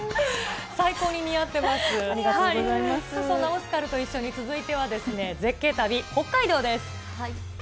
そんなオスカルと一緒に、続いてはですね、絶景旅、北海道です。